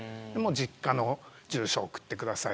実家の住所を送ってください。